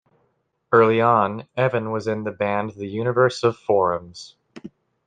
Early on, Evan was in the band The Universe of Forums.